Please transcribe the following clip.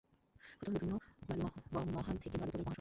প্রথমে বিভিন্ন বালুমহাল থেকে তোলা বালু মহাসড়কের পাশে মজুদ করে রাখা হয়।